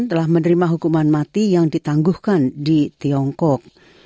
telah menerima hukuman mati yang ditangguhkan di tiongkok